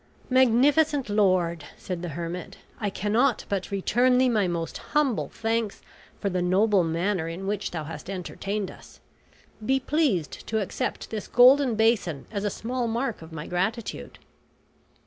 "Magnificent lord," said the hermit, "I cannot but return thee my most humble thanks for the noble manner in which thou hast entertained us. Be pleased to accept this golden basin as a small mark of my gratitude."